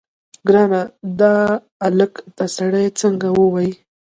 ګرانه دا الک ته سړی څنګه ووايي.